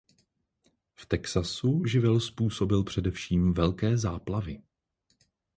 V Texasu živel způsobil především velké záplavy.